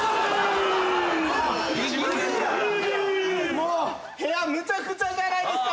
もう部屋むちゃくちゃじゃないですか！